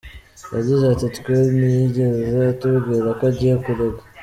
Yagize ati “Twe ntiyigeze atubwira ko agiye kurega.